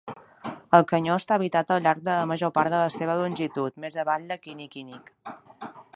El canyó està habitat al llarg de la major part de la seva longitud més avall de Kinikinik.